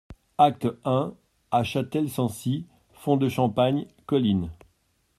Acte un A Châtel-Sancy Fond de campagne, collines.